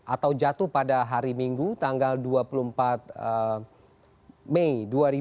atau jatuh pada hari minggu tanggal dua puluh empat mei dua ribu dua puluh